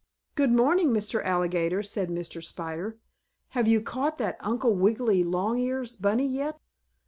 "Good morning, Mr. Alligator," said Mr. Spider. "Have you caught that Uncle Wiggily Longears bunny yet?"